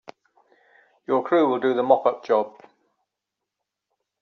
Your crew will do the mop up job.